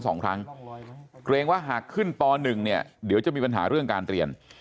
สองครั้งเกรงว่าหากขึ้นปหนึ่งเนี่ยเดี๋ยวจะมีปัญหาเรื่องการเรียน